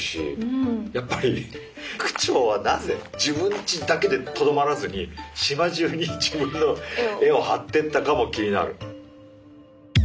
やっぱり区長はなぜ自分ちだけでとどまらずに島中に自分の絵を貼ってったかも気になる。